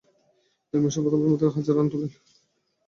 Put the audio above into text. ঐ মৌসুমে প্রথমবারের মতো হাজার রান তোলেন।